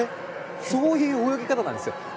そういう泳ぎ方なんです。